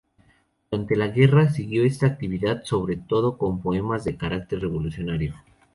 Durante la Guerra siguió esta actividad, sobre todo con poemas de carácter revolucionario.